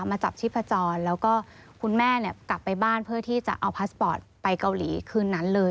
มาจับชีพจรแล้วก็คุณแม่กลับไปบ้านเพื่อที่จะเอาพาสปอร์ตไปเกาหลีคืนนั้นเลย